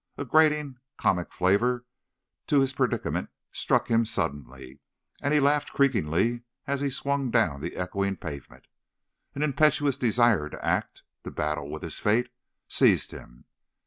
A grating, comic flavour to his predicament struck him suddenly, and he laughed creakingly as he swung down the echoing pavement. An impetuous desire to act, to battle with his fate, seized him.